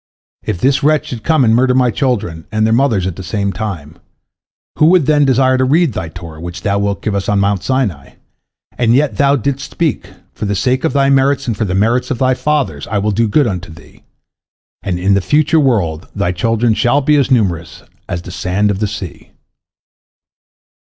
If this wretch should come and murder my children and their mothers at the same time, who would then desire to read Thy Torah which Thou wilt give us on Mount Sinai? And yet Thou didst speak, For the sake of thy merits and for the merits of thy fathers I will do good unto thee, and in the future world thy children shall be as numerous as the sand of the sea."